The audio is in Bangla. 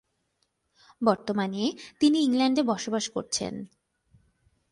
বর্তমানে তিনি ইংল্যান্ডে বসবাস করছেন।